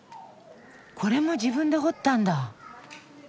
これも自分で掘ったんだ。